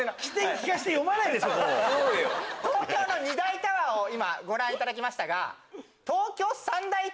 東京の２大タワーを今ご覧いただきましたが。